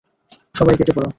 সবাই কেটে পড়ো!